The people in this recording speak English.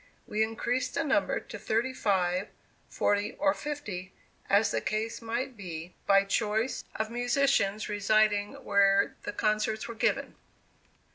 We increased the number to thirty five, forty or fifty, as the case might be, by choice of musicians residing where the concerts were given.